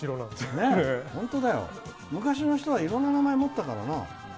昔の人はいろんな名前持ってたからな。